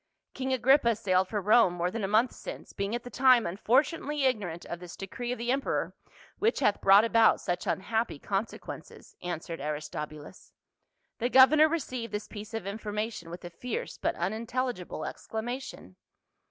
" King Agrippa sailed for Rome more than a month since, being at the time unfortunately ignorant of this decree of the emperor which hath brought about such unhappy consequences," answered Aristobulus. The governor received this piece of information with a fierce but unintelligible exclamation.